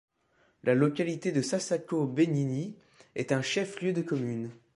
La localité de Sassako Bégnini est un chef-lieu de commune.